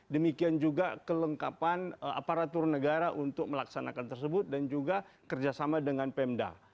demikian juga kelengkapan aparatur negara untuk melaksanakan tersebut dan juga kerjasama dengan pemda